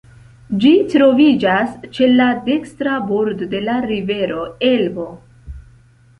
Ĝi troviĝas ĉe la dekstra bordo de la rivero Elbo.